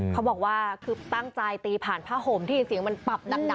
เขาบอกว่าคือตั้งใจตีผ่านผ้าห่มที่เสียงมันปับดัง